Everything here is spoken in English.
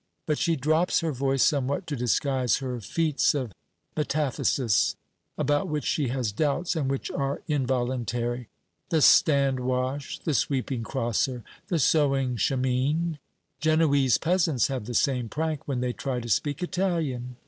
But she drops her voice somewhat to disguise her feats of metathesis, about which she has doubts and which are involuntary: the "stand wash," the "sweeping crosser," the "sewing chamine." Genoese peasants have the same prank when they try to speak Italian.